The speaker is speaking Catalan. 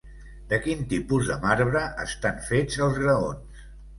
De quin tipus de marbre estan fets els graons?